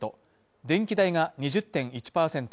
電気代が２０．１％